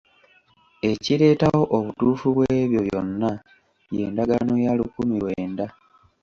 Ekireetawo obutuufu bw'ebyo byonna y'endagaano ya lukumi lwenda.